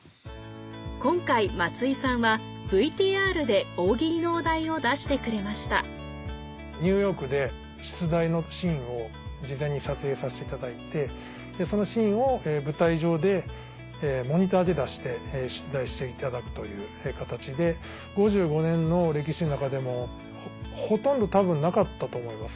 今回松井さんはＶＴＲで「大喜利」のお題を出してくれましたニューヨークで出題のシーンを事前に撮影させていただいてそのシーンを舞台上でモニターで出して出題していただくという形で５５年の歴史の中でもほとんど多分なかったと思います。